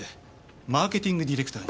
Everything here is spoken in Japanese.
マーケティングディレクター？